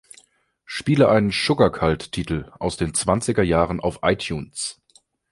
Spiele einen Sugarcult-Titel aus den zwanziger Jahren auf ITunes